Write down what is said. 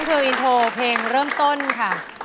นั่นคืออินโทรเพลงเริ่มต้นค่ะ